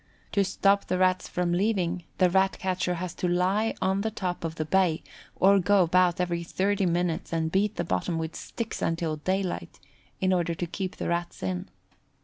To stop the Rats from leaving, the Rat catcher has to lie on the top of the bay or go about every thirty minutes and beat the bottom with sticks until daylight, in order to keep the Rats in.